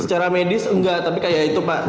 secara medis enggak tapi kayak itu pak